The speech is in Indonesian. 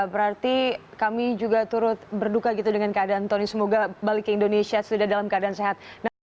berarti kami juga turut berduka gitu dengan keadaan tony semoga balik ke indonesia sudah dalam keadaan sehat